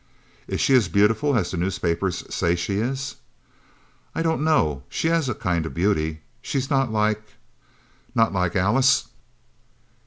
"Is she as beautiful as the newspapers say she is?" "I don't know, she has a kind of beauty she is not like ' "Not like Alice?"